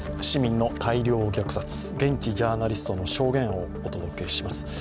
市民の大量虐殺、現地ジャーナリストの証言をお届けします。